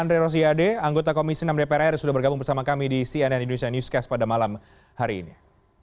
andre rosiade anggota komisi enam dpr ri sudah bergabung bersama kami di cnn indonesia newscast pada malam hari ini